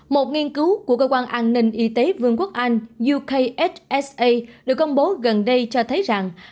một nghiên cứu của cơ quan an ninh y tế vương quốc anh yuksa được công bố gần đây cho thấy rằng